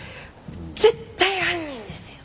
絶対犯人ですよ！